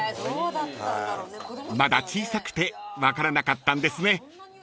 ［まだ小さくて分からなかったんですね］